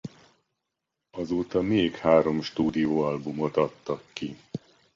Azóta még három stúdióalbumot adtak ki.